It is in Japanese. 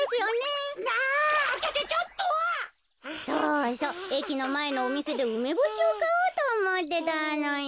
えきのまえのおみせでうめぼしをかおうとおもってたのよ。